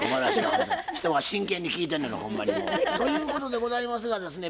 人が真剣に聞いてんのにほんまにもう。ということでございますがですね